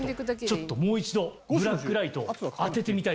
ちょっともう一度ブラックライトを当ててみたいと。